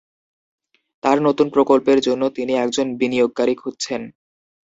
তার নতুন প্রকল্পের জন্য, তিনি একজন বিনিয়োগকারী খুঁজছেন।